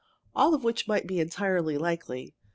All of which might be entirely likely.